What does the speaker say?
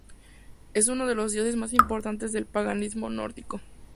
Es uno de los dioses más importantes del paganismo nórdico.